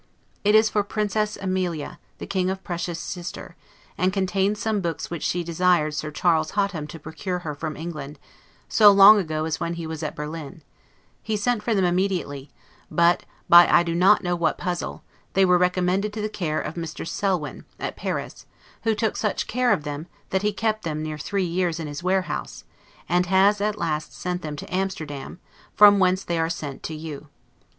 It is for Princess Ameba, the King of Prussia's sister, and contains some books which she desired Sir Charles Hotham to procure her from England, so long ago as when he was at Berlin: he sent for them immediately; but, by I do not know what puzzle, they were recommended to the care of Mr. Selwyn, at Paris, who took such care of them, that he kept them near three years in his warehouse, and has at last sent them to Amsterdam, from whence they are sent to you.